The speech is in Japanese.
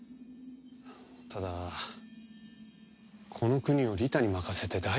ただこの国をリタに任せて大丈夫かな？